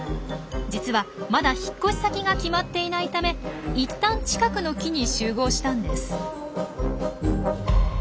実はまだ引っ越し先が決まっていないため一旦近くの木に集合したんです。